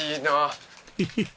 ヘヘヘ。